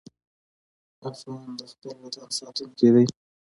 افغان د خپل وطن ساتونکی دی.